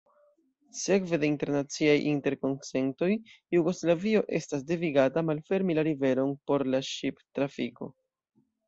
Sekve de internaciaj interkonsentoj Jugoslavio estas devigata malfermi la riveron por la ŝiptrafiko.